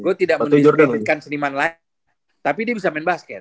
gua tidak menyesuaikan seniman lain tapi dia bisa main basket